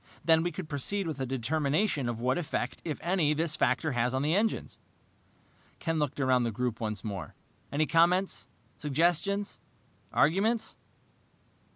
Then we could proceed with a determination of what effect, if any, this factor has on the engines." Ken looked around the group once more. "Any comments, suggestions, arguments?